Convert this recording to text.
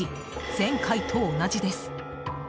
前回と同じです。